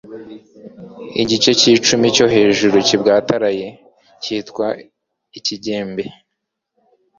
Igice k'icumu cyo hejuru kibwataraye cyitwa ikigembe